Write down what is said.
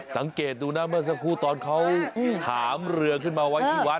สังเกตดูนะเมื่อสักครู่ตอนเขาหามเรือขึ้นมาไว้ที่วัด